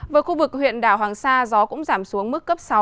với khu vực huyện đảo hoàng sa gió cũng giảm xuống mức cấp sáu